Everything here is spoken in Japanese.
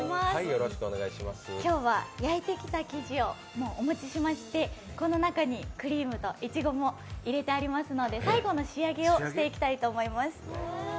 今日は焼いてきた生地をお持ちしましてこの中にクリームといちごも入れてありますので、最後の仕上げをしていきたいと思います。